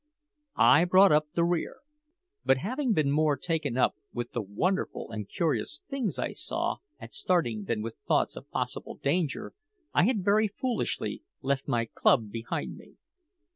I brought up the rear; but having been more taken up with the wonderful and curious things I saw at starting than with thoughts of possible danger, I had very foolishly left my club behind me.